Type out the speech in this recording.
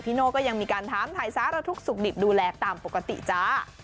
โน่ก็ยังมีการถามถ่ายสารทุกข์สุขดิบดูแลตามปกติจ้า